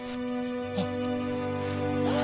あっ。